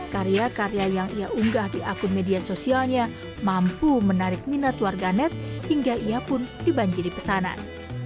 karya karya yang ia unggah di akun media sosialnya mampu menarik minat warganet hingga ia pun dibanjiri pesanan